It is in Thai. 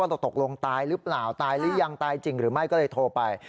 ตกลงตายหรือเปล่าตายหรือยังตายจริงหรือไม่ก็เลยโทรไป